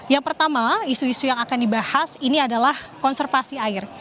yang pertama isu isu yang akan dibahas ini adalah konservasi air